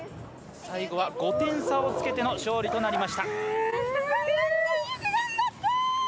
最後は５点差をつけての勝利となりました。